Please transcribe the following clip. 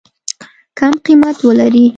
کم قیمت ولري.